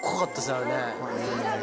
あれね。